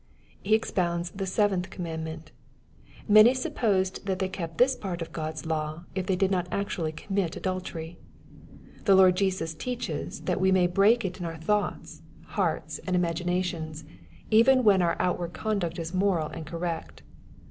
He expounds the seventh commandment Many sup posed that they kept this part of God's law, if they did not actually commit adultery. The Lord Jesus teaches, that we may break it in our thoughts, hearts, and imagi< HATTHKW, CHAP. V. 41 nations, even when our outward conduct is moral and correct.